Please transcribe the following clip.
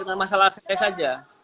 dengan masalah saya saja